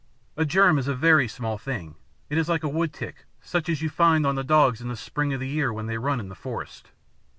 A germ is a very small thing. It is like a woodtick, such as you find on the dogs in the spring of the year when they run in the forest.